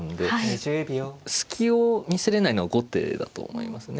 隙を見せれないのは後手だと思いますね。